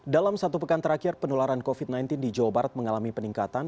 dalam satu pekan terakhir penularan covid sembilan belas di jawa barat mengalami peningkatan